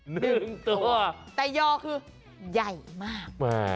หนึ่งตัวแต่ยอคือใหญ่มาก